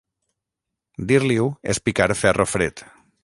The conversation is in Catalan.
Dir-li-ho és picar ferro fred.